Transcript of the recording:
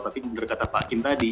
tapi benar kata pak akin tadi